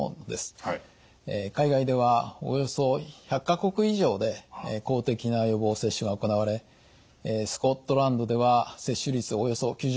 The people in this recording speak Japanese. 海外ではおよそ１００か国以上で公的な予防接種が行われスコットランドでは接種率およそ９０％。